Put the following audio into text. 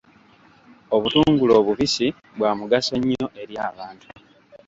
Obutungulu obubisi bwa mugaso nnyo eri abantu.